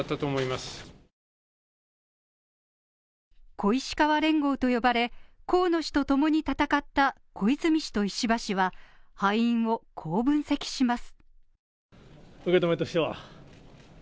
小石河連合と呼ばれ、河野氏とともに戦った小泉氏と石破氏は敗因をこう分析します。